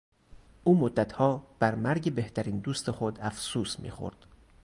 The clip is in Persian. او مدتها بر مرگ بهترین دوست خود افسوس میخورد.